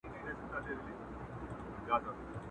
o بابا دي خداى وبخښي، مگر شنې مي ملا راماته کړه!